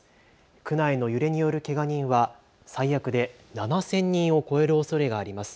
区内の揺れによるけが人は最悪で７０００人を超えるおそれがあります。